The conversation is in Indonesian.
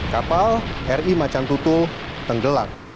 kapal ri macan tutul tenggelam